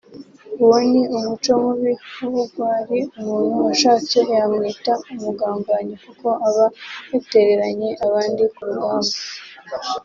uwo ni umuco mubi w’ubugwari umuntu ashatse yamwita umugambanyi kuko aba yatereranye abandi ku rugamba